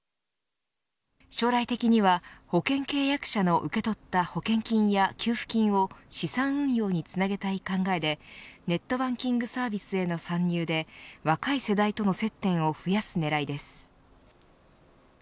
将来的には保険契約者の受け取った保険金や給付金を資産運用につなげたい考えでネットバンキングサービスへの参入で若い世代との接点を増やす狙いです